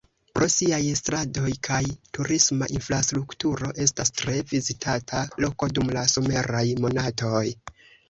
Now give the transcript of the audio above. Pro siaj strandoj kaj turisma infrastrukturo estas tre vizitata loko dum la someraj monatoj.